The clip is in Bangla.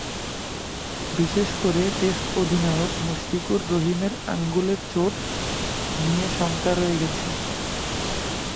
বিশেষ করে টেস্ট অধিনায়ক মুশফিকুর রহিমের আঙুলের চোট নিয়ে শঙ্কা রয়ে গেছে।